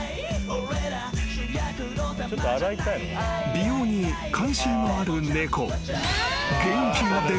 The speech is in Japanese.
［美容に関心のある猫］